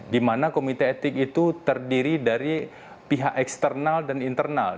di mana komite etik itu terdiri dari pihak eksternal dan internal